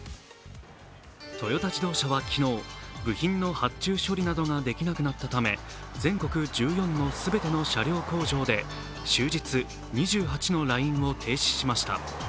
トヨタ自動車は昨日、部品の発注処理などができなくなったため、全国１４の全ての車両工場で終日２８のラインを停止しました。